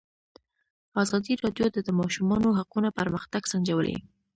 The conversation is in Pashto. ازادي راډیو د د ماشومانو حقونه پرمختګ سنجولی.